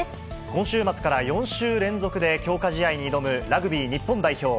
今週末から４週連続で強化試合に挑むラグビー日本代表。